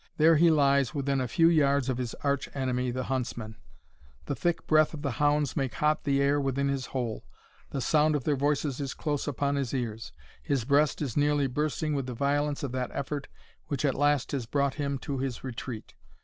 There he lies within a few yards of his arch enemy, the huntsman. The thick breath of the hounds make hot the air within his hole. The sound of their voices is close upon his ears. His breast is nearly bursting with the violence of that effort which at last has brought him to his retreat.